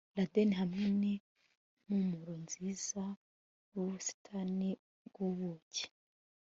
Laden hamwe nimpumuro nziza yubusitani bwubuki